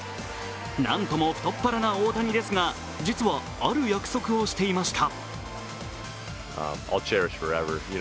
なんとも太っ腹な大谷ですが実はある約束をしていました。